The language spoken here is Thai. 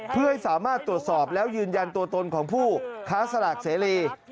เพื่อให้สามารถตรวจสอบแล้วยืนยันตัวตนของผู้ค้าสลากเสรี